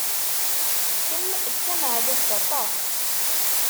Kemm d tameɛdazt aṭas!